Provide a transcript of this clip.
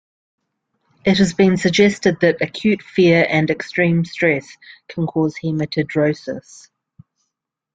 It has been suggested that acute fear and extreme stress can cause hematidrosis.